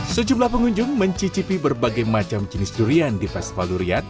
sejumlah pengunjung mencicipi berbagai macam jenis durian di fespal durian